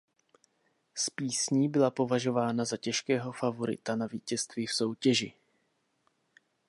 S písní byla považována za těžkého favorita na vítězství v soutěži.